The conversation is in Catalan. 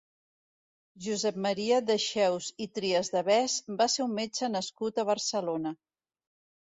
Josep Maria Dexeus i Trias de Bes va ser un metge nascut a Barcelona.